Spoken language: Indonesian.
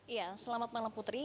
iya selamat malam putri